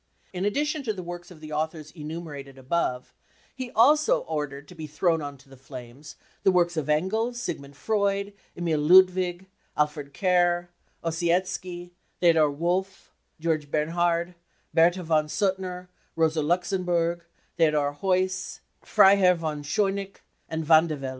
In addition to the works of the authors enumerated above, he also ordered to be thrown on to the flames the works of Engels, Siegmund Freud, Emil Ludwig, Alfred Kerr, Ossietzky, Theodor Wolff, Georg Bernhard, Berths von Suttner, Rosa Luxemburg, Theodor Heuss, Freiherr von Schoneich and Vandevelde.